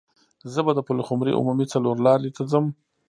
زه به د پلخمري عمومي څلور لارې ته ځم.